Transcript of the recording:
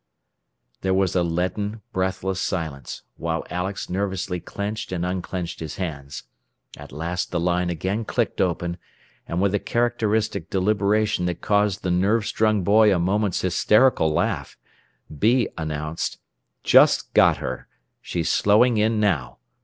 There was a leaden, breathless silence, while Alex nervously clenched and unclenched his hands. At last the line again clicked open, and with a characteristic deliberation that caused the nerve strung boy a moment's hysterical laugh, "B" announced: "Just got her. She's slowing in now.